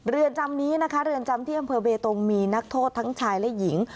เรือนจำนี้นะคะเรือนจำที่อำเภอเบตงมีนักโทษทั้งชายและหญิง